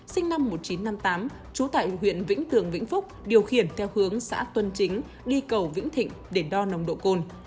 sinh năm một nghìn chín trăm năm mươi tám trú tại huyện vĩnh tường vĩnh phúc điều khiển theo hướng xã tuân chính đi cầu vĩnh thịnh để đo nồng độ cồn